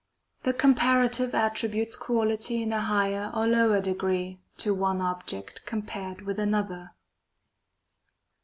The comparative attributes quality in a higher or lower degree, to one object compared with another.